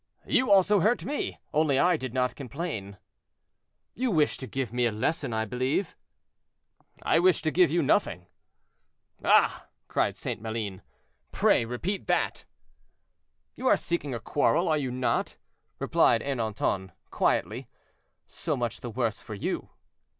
"You also hurt me, only I did not complain." "You wish to give me a lesson, I believe?" "I wish to give you nothing." "Ah!" cried St. Maline, "pray repeat that." "You are seeking a quarrel, are you not?" replied Ernanton, quietly; "so much the worse for you."